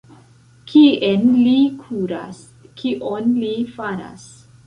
Kien li kuras? Kion li faras?